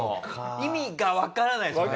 意味がわからないですよね。